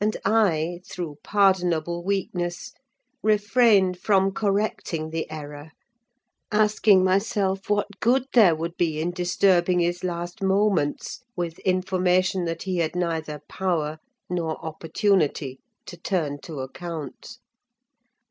And I, through pardonable weakness, refrained from correcting the error; asking myself what good there would be in disturbing his last moments with information that he had neither power nor opportunity to turn to account.